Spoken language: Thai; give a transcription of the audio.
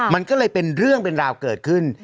มันก็เลยเป็นเรื่องเป็นราวเกิดขึ้น